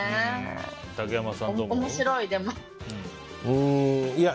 竹山さん、どう？